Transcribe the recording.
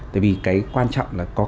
tại vì cái quan trọng là có